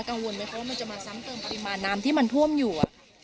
กังวลไหมคะว่ามันจะมาซ้ำเติมปริมาณน้ำที่มันท่วมอยู่